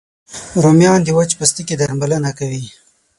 رومیان د وچ پوستکي درملنه کوي